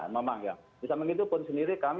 memang ya bisa begitu pun sendiri kami